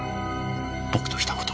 僕とした事が！